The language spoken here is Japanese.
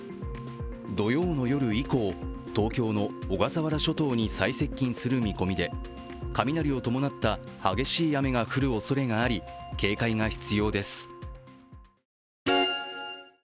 土曜の夜以降、東京の小笠原諸島に最接近する見込みで雷を伴った激しい雨が降るおそれがあり警戒が必要です。